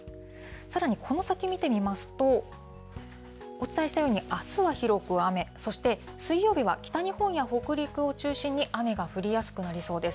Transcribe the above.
さらにこの先見てみますと、お伝えしたように、あすは広く雨、そして水曜日は北日本や北陸を中心に、雨が降りやすくなりそうです。